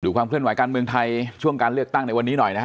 ความเคลื่อนไหวการเมืองไทยช่วงการเลือกตั้งในวันนี้หน่อยนะฮะ